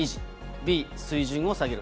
Ｂ、水準を下げる。